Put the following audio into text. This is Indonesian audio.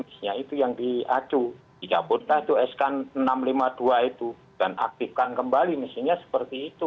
misalnya itu yang diacu tidak pun aju eskan enam ratus lima puluh dua itu dan aktifkan kembali misalnya seperti itu